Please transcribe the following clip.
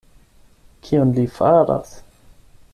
Kion li faras?